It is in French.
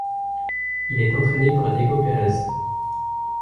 Il est entraîné par Diego Perez.